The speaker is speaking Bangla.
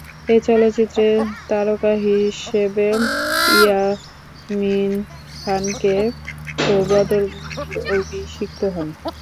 এ চলচ্চিত্রে তারকা হিসেবে ইয়াসমিন খান ও বদর মুনির অভিষিক্ত হন।